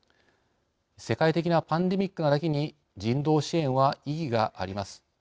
世界的なパンデミックなだけに人道支援は意義があります。